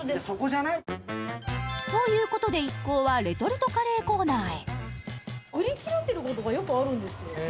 そこじゃない？ということで一行はレトルトカレーコーナーへ売りきれてることがよくあるんですよ